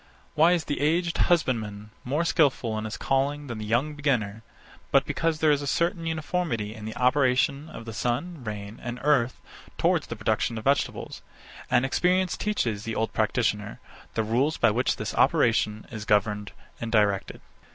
Why is the aged husbandman more skilful in his calling than the young beginner but because there is a certain uniformity in the operation of the sun, rain, and earth towards the production of vegetables; and experience teaches the old practitioner the rules by which this operation is governed and directed.